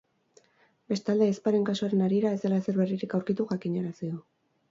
Bestalde, ahizparen kasuaren harira ez dela ezer berririk aurkitu jakinarazi du.